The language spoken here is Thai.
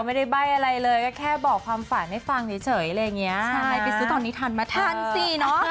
ไม่ได้บอกไม่ได้ให้นะคะแล้วแต่